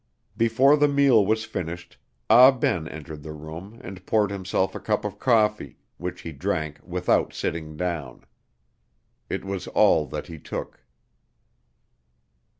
Before the meal was finished, Ah Ben entered the room and poured himself a cup of coffee, which he drank without sitting down. It was all that he took.